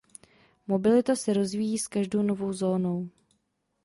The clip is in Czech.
Mobilita se rozvíjí s každou novou zónou.